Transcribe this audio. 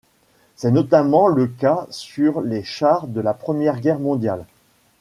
C'est notamment le cas sur les chars de la Première Guerre mondiale.